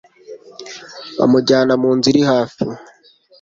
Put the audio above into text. Bamujyana mu nzu iri hafi.